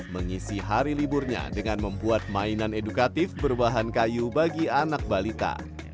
mengisi hari liburnya dengan membuat mainan edukatif berbahan kayu bagi anak balita